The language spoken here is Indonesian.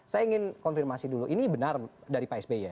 saya ingin konfirmasi dulu ini benar dari pak sby ya